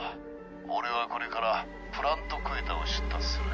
俺はこれからプラント・クエタを出立する。